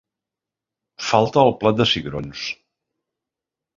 Falta el plat de cigrons.